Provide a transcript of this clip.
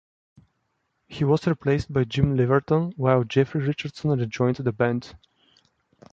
He was replaced by Jim Leverton, while Geoffrey Richardson rejoined the band.